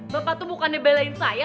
bapak tuh bukan dia belain saya